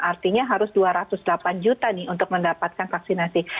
artinya harus dua ratus delapan juta nih untuk mendapatkan vaksinasi